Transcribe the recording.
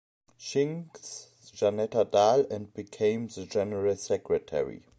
Singh's Janata Dal and became the General Secretary.